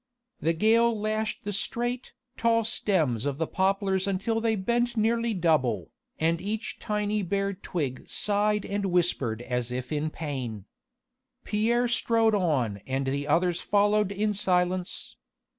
The gale lashed the straight, tall stems of the poplars until they bent nearly double, and each tiny bare twig sighed and whispered as if in pain. Pierre strode on and the others followed in silence.